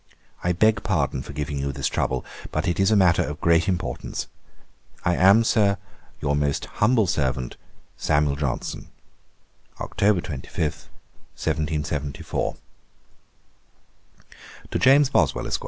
'I beg pardon for giving you this trouble; but it is a matter of great importance. 'I am, Sir, 'Your most humble servant, 'SAM JOHNSON.' 'October 25, 1774.' 'To JAMES BOSWELL, ESQ.